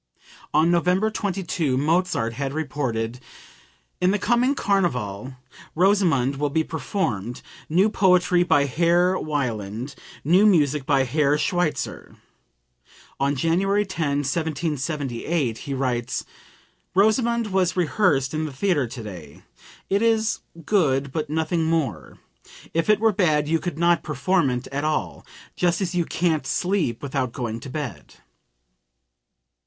On November 22, Mozart had reported: "In the coming carnival 'Rosamunde' will be performed new poetry by Herr Wieland, new music by Herr Schweitzer." On January 10, 1778, he writes: "'Rosamunde' was rehearsed in the theatre today; it is good, but nothing more. If it were bad you could not perform it at all; just as you can't sleep without going to bed!")